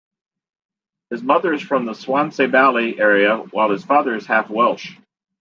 His mother is from the Swansea Valley area while his father is half Welsh.